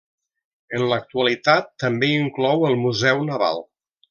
En l'actualitat també inclou el Museu Naval.